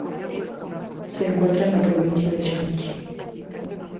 Se encuentra en la provincia de Shanxi.